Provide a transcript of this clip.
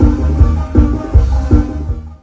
โปรดติดตามตอนต่อไป